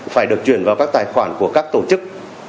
phải được chuyển vào các tài khoản của các tổ chức